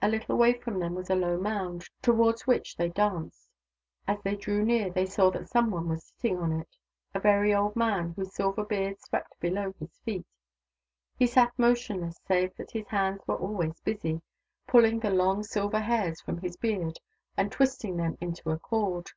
A little way from them was a low mound, towards which they danced. As they drew near, they saw that some one was sitting on it — a very old man, whose silv^er beard swept below his feet. He sat motionless, save that his hands were always busy, pulling the long silver hairs from his beard and twisting them into a cord.